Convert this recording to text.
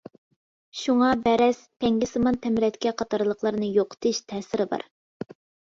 شۇڭا بەرەس، تەڭگىسىمان تەمرەتكە قاتارلىقلارنى يوقىتىش تەسىرى بار.